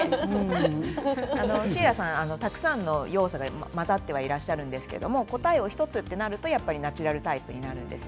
シーラさんはたくさんの要素が混ざっていらっしゃるんですが答えを１つということになるとナチュラルタイプです。